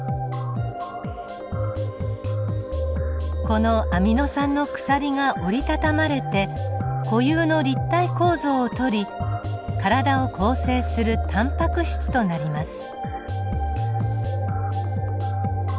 このアミノ酸の鎖が折り畳まれて固有の立体構造をとり体を構成するタンパク質となります。